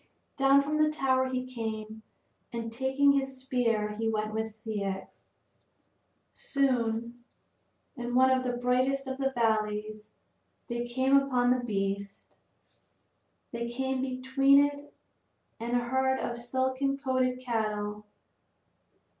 Down from the tower he came, and taking up his spear he went with Ceyx. Soon, in one of the brightest of the valleys, they came upon the beast; they came between it and a herd of silken coated cattle.